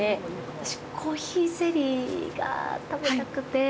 私、コーヒーゼリーが食べたくて。